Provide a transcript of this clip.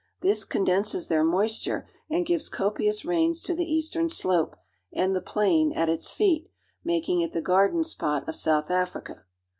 This con denses their moisture and gives copious rains to the eastern slope and the plain at its feet, making it the garden spot of South Africa.